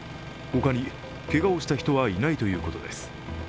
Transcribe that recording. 他にけがをした人はいないということです。